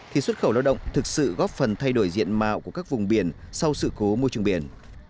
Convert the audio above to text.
thì xuất khẩu lao động thực sự góp phần thay đổi diện mạo của các vùng biển sau sự cố môi trường biển